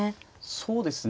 そうですね。